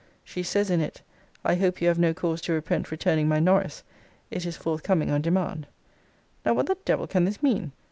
She says in it, 'I hope you have no cause to repent returning my Norris it is forthcoming on demand.' Now, what the devil can this mean!